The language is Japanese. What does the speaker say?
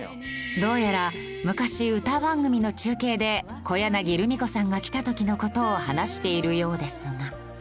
どうやら昔歌番組の中継で小柳ルミ子さんが来た時の事を話しているようですが。